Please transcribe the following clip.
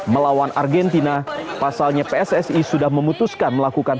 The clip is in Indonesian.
melawan argentina pasalnya pssi sudah memutuskan melakukan